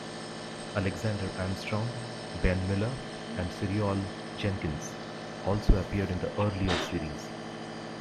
Alexander Armstrong, Ben Miller and Siriol Jenkins also appeared in the earlier series.